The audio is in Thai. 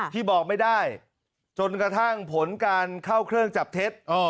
ที่บอกไม่ได้จนกระทั่งผลการเข้าเครื่องจับเท็จ